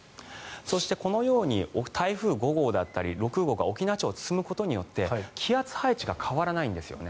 そして、このように台風５号だったり６号が沖縄地方を進むことによって気圧配置が変わらないんですよね。